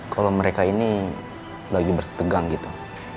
kalo mereka ini lagi bersetegang gitu